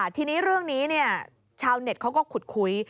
ทีนี้เรื่องนี้ชาวเน็ตเขาก็ขุดคุย